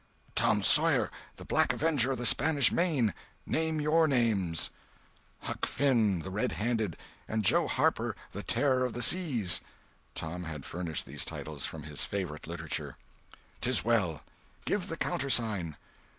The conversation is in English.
"Tom Sawyer, the Black Avenger of the Spanish Main. Name your names." "Huck Finn the Red Handed, and Joe Harper the Terror of the Seas." Tom had furnished these titles, from his favorite literature. "'Tis well. Give the countersign."